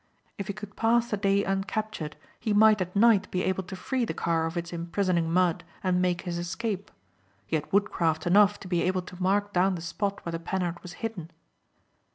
If he could pass the day uncaptured he might at night be able to free the car of its imprisoning mud and make his escape. He had woodcraft enough to be able to mark down the spot where the Panhard was hidden.